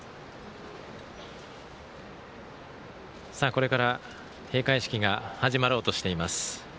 これから閉会式が始まろうとしています。